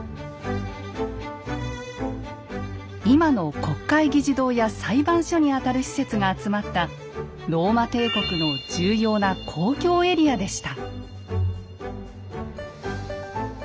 今の国会議事堂や裁判所にあたる施設が集まったローマ帝国の重要な公共エリアでした。